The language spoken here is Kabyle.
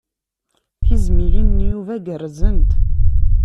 Tizmilin n Yuba gerrzent.